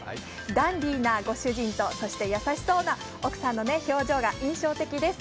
ダンディーなご主人と優しそうな奥さんの表情が印象的です、